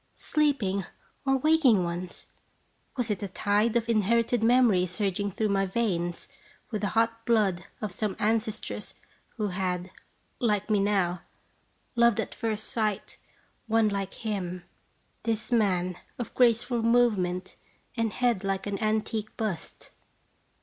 sleeping or waking ones? Was it a tide of inherited memories surging through my veins with the hot blood of some ancestress who had, like me now, loved at first sight one like him, this man of graceful movement and head like an antique bust?